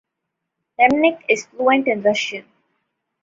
Remnick is fluent in Russian.